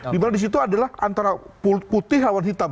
di mana di situ adalah antara putih lawan hitam